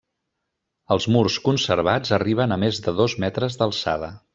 Els murs conservats arriben a més de dos metres d'alçada.